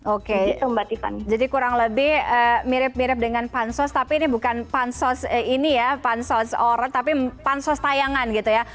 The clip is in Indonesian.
oke itu mbak tiffany jadi kurang lebih mirip mirip dengan pansos tapi ini bukan pansos ini ya pansos orang tapi pansos tayangan gitu ya